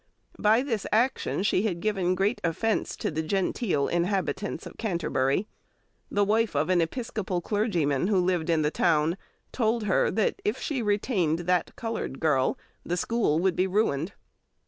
By this action she had given great offence to the "genteel" inhabitants of Canterbury. The wife of an Episcopal clergyman who lived in the town told her that if she retained "that coloured girl" the school would be ruined.